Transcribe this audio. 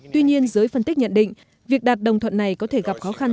tuy nhiên giới phân tích nhận định việc đạt đồng thuận này có thể gặp khó khăn